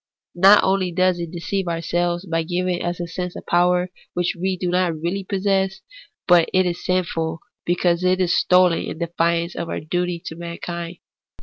Not only does it deceive ourselves by giving us a sense of power which we do not really possess, but it is sinful, because it is stolen in defiance of our duty to mankind.